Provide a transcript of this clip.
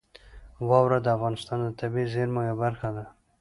واوره د افغانستان د طبیعي زیرمو یوه برخه ده.